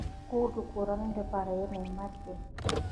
کور د کورنۍ لپاره یو نعمت دی.